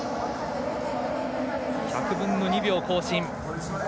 １００分の２秒更新。